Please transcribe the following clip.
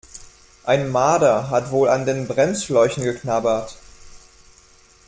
Ein Marder hat wohl an den Bremsschläuchen geknabbert.